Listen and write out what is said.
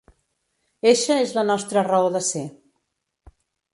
Eixa és la nostra raó de ser.